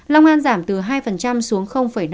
long an giảm từ hai xuống năm